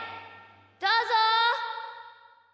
どうぞ！